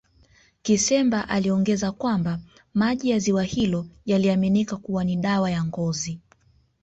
Kisemba aliongeza kwamba maji ya ziwa hilo yaliaminika kuwa ni dawa ya ngozi